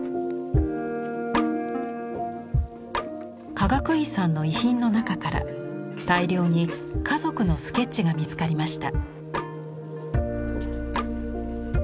かがくいさんの遺品の中から大量に家族のスケッチが見つかりました。